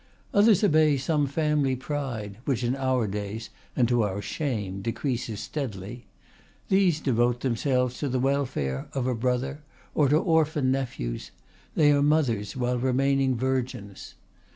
Others obey some family pride (which in our days, and to our shame, decreases steadily); these devote themselves to the welfare of a brother, or to orphan nephews; they are mothers while remaining virgins.